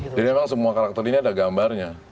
jadi memang semua karakter ini ada gambarnya